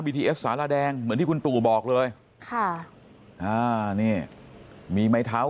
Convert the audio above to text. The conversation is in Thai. ทีเอสสาราแดงเหมือนที่คุณตู่บอกเลยค่ะอ่านี่มีไม้เท้า